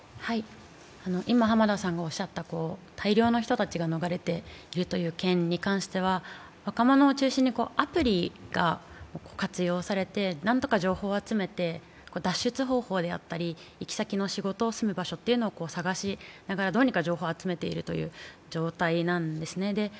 大量の人たちが逃れているという件については、若者を中心にアプリが活用されて、何とか情報を集めて脱出方法であったり、行き先の仕事、住む場所というのを探しながら、どうにか情報を集めているという状態なんですね。